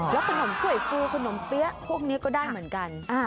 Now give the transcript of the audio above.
แล้วขนมถ้วยฟูขนมเปี๊ยะพวกนี้ก็ได้เหมือนกัน